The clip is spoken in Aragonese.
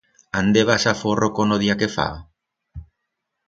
Ande vas aforro, con o día que fa!